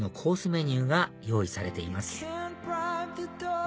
メニューが用意されています